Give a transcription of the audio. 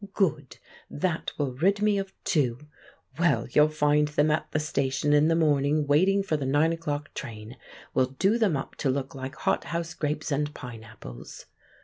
Good! That will rid me of two! Well, you'll find them at the station in the morning waiting for the 9 o'clock train—we'll do them up to look like hothouse grapes and pineapples."